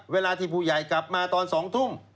เวลาที่ผู้ใหญ่กลับมาตอน๒ทุ่ม